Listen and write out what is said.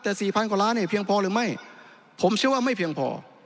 แต่สี่พันกว่าล้านเนี่ยเพียงพอหรือไม่ผมเชื่อว่าไม่เพียงพอ